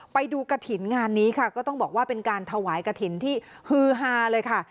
ไปดูกระถิ่นงานนี้ค่ะก็ต้องบอกว่าเป็นการถวายกระถิ่นที่ฮือฮาเลยค่ะ